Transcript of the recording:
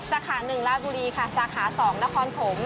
สาขาหนึ่งลาบุรีค่ะสาขาสองนครถม